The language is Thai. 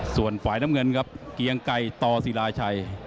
ส่วนฝ่ายน้ำเงินครับเกียงไก่ต่อศิลาชัย